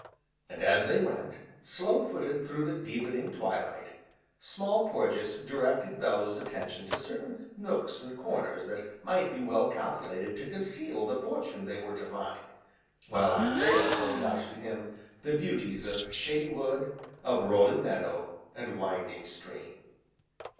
And, as they went, slow footed through the deepening twilight, Small Porges directed Bellew's attention to certain nooks and corners that might be well calculated to conceal the fortune they were to find; while Anthea pointed out to him the beauties of shady wood, of rolling meadow, and winding stream.